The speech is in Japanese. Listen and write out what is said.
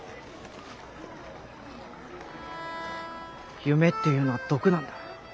夢っていうのは毒なんだ。